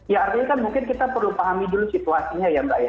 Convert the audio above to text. ya artinya kan mungkin kita perlu pahami dulu situasinya ya mbak ya